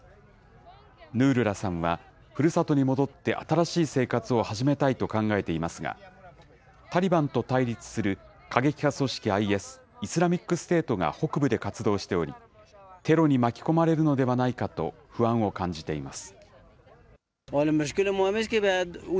ヌールラさんは、ふるさとに戻って新しい生活を始めたいと考えていますが、タリバンと対立する過激派組織ＩＳ・イスラミックステートが北部で活動しており、テロに巻き込まれるのではないかと、不安を感じています。